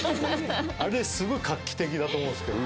あれすごい画期的だと思うんですけどね。